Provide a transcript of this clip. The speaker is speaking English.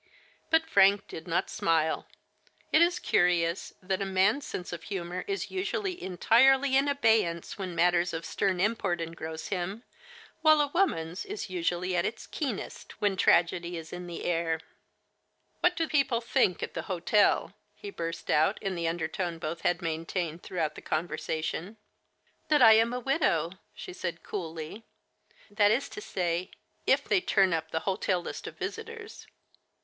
*" But Frank did not smile. It is curious that a man's sense of humor is usually entirely in abey ance when matters of stern import engross him, while a woman's is usually at its keenest when tragedy is in the air. '* What do people think at the hotel ?" he burst out in the undertone both had maintained throughout the conversation. " That I am a widow," she said coolly ;" that is to say, if they turn up the hotel list of visitors."